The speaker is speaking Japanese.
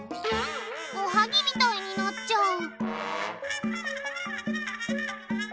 おはぎみたいになっちゃう！